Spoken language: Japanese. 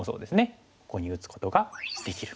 ここに打つことができる。